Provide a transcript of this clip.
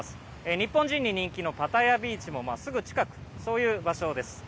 日本人に人気のパタヤビーチもすぐ近く、そういう場所です。